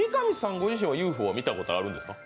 ご自身はＵＦＯ見たことあるんですか？